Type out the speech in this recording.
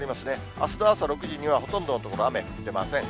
あすの朝６時にはほとんどの所、雨降ってません。